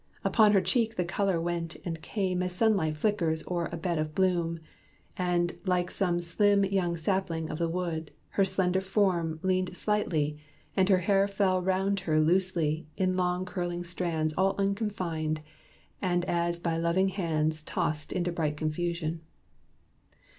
Upon her cheek the color went and came As sunlight flickers o'er a bed of bloom; And, like some slim young sapling of the wood, Her slender form leaned slightly; and her hair Fell 'round her loosely, in long curling strands All unconfined, and as by loving hands Tossed into bright confusion.